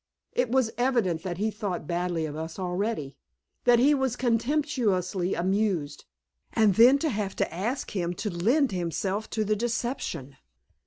It was evident that he thought badly of us already that he was contemptuously amused, and then to have to ask him to lend himself to the deception!